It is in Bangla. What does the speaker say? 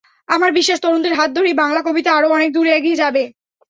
আমার বিশ্বাস, তরুণদের হাত ধরেই বাংলা কবিতা আরও অনেক দূর এগিয়ে যাবে।